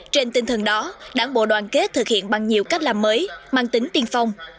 trên tinh thần đó đảng bộ đoàn kết thực hiện bằng nhiều cách làm mới mang tính tiên phong